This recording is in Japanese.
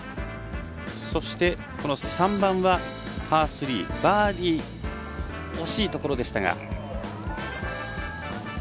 そして、この３番はパー３バーディー惜しいところでしたが。